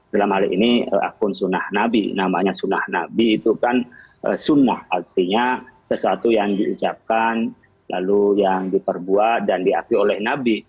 dalam hal ini akun sunnah nabi namanya sunnah nabi itu kan sunnah artinya sesuatu yang diucapkan lalu yang diperbuat dan diakui oleh nabi